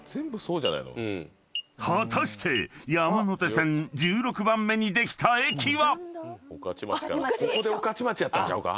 ［果たして山手線１６番目にできた駅は？］